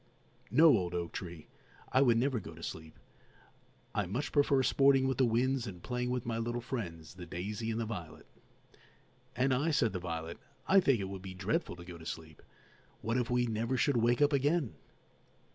No, old oak tree, I would never go to sleep; I much prefer sporting with the winds and playing with my little friends, the daisy and the violet." "And I," said the violet, "I think it would be dreadful to go to sleep. What if we never should wake up again!"